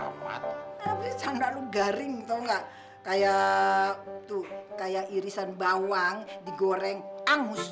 garing tau nggak kayak itu kayak irisan bawang kayak garing tau gak kayak tuh kayak irisan bawang yang kek garing gitu sih